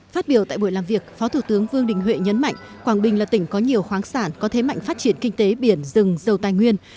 phát biểu tại buổi làm việc phó thủ tướng vương đình huệ nhấn mạnh quảng bình là tỉnh có nhiều khoáng sản có thế mạnh phát triển kinh tế biển rừng dầu tài nguyên